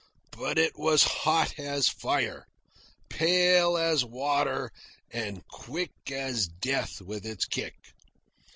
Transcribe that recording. But it was hot as fire, pale as water, and quick as death with its kick.